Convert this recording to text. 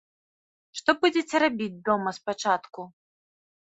Што будзеце рабіць дома спачатку?